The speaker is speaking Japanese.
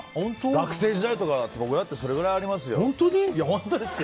学生時代とかだって僕だってそれくらいありますよ。